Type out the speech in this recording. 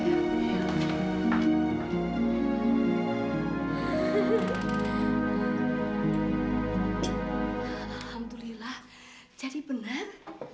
alhamdulillah jadi benar